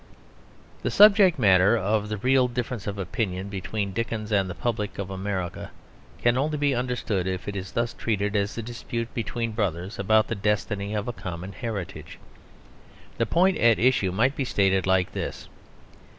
The subject matter of the real difference of opinion between Dickens and the public of America can only be understood if it is thus treated as a dispute between brothers about the destiny of a common heritage. The point at issue might be stated like this.